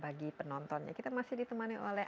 bagi penontonnya kita masih ditemani oleh